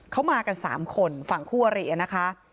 เขามากัน๓คนฝั่งคู่อรินะคะ